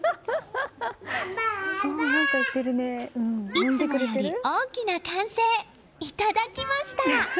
いつもより大きな歓声いただきました。